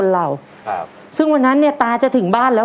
แล้วครับ